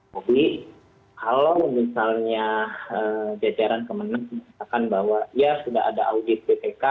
tapi kalau misalnya jajaran kemenang mengatakan bahwa ya sudah ada audit bpk